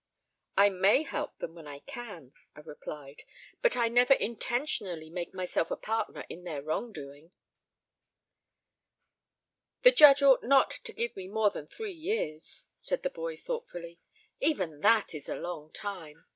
"I may help them when I can," I replied, "but I never intentionally make myself a partner in their wrong doing." "The judge ought not to give me more than three years," said the boy thoughtfully, "even that is a long time....